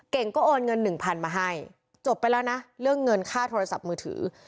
เก่งก็โอนเงินหนึ่งพันมาให้จบไปแล้วนะเรื่องเงินค่าโทรศัพท์มือถือ